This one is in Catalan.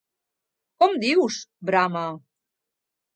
Com dius?! —brama.